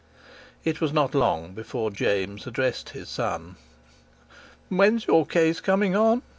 It was not long before James addressed his son. "When's your case coming on?